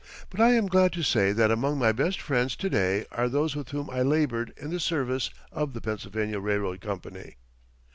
But I am glad to say that among my best friends to day are those with whom I labored in the service of the Pennsylvania Railroad Company.